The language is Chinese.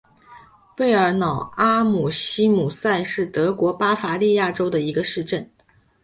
贝尔瑙阿姆希姆塞是德国巴伐利亚州的一个市镇。